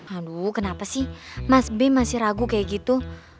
aduh kenapa sih mas bim masih ragu kayak gitu